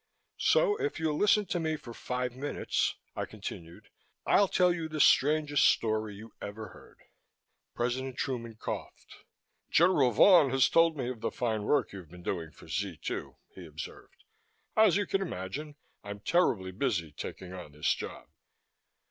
"So if you'll listen to me for five minutes," I continued, "I'll tell you the strangest story you ever heard." President Truman coughed. "General Vaughan has told me of the fine work you've been doing for Z 2," he observed. "As you can imagine, I'm terribly busy taking on this job."